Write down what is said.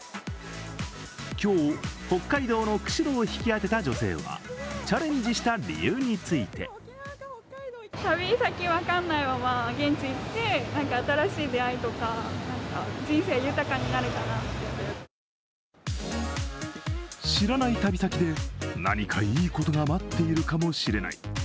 今日、北海道の釧路を引き当てた女性はチャレンジした理由について知らない旅先で何かいいことが待っているかもしれない。